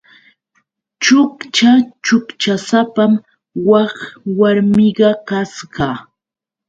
Chukcha chukchasapam wak warmiqa kasqa.